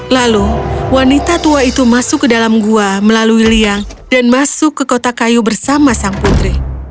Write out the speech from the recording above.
lalu wanita tua itu masuk ke dalam gua melalui liang dan masuk ke kotak kayu bersama sang putri